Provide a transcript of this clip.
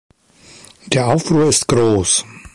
Der Aufruhr ist groß.